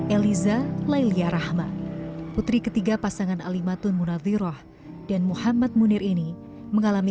eliza lailia rahma putri ketiga pasangan alimatun munadziroh dan muhammad munir ini mengalami